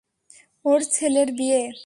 ওর ছেলের বিয়ে।